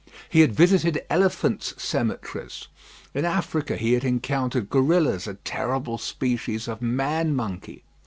He had visited elephants' cemeteries. In Africa, he had encountered gorillas, a terrible species of man monkey.